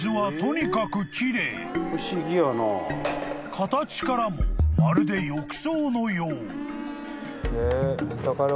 ［形からもまるで浴槽のよう］